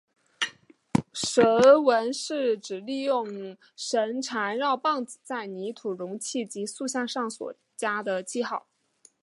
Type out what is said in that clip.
绳文是指利用绳缠绕棒子在黏土容器及塑像上所加上的记号。